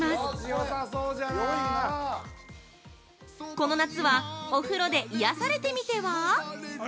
◆この夏はお風呂で癒やされてみては？